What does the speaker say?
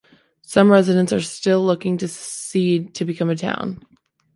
Some residents are still looking to secede to become a town.